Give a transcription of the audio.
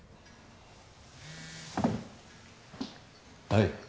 はい